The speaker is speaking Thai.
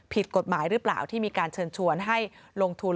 ผิดกฎหมายหรือเปล่าที่มีการเชิญชวนให้ลงทุน